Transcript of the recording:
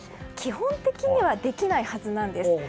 基本的にはできないはずなんです。